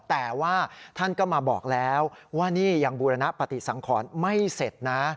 แต่ว่าท่านก็มาบอกแล้วว่านี่ยังบูรณปฏิสังขรไม่เสร็จนะ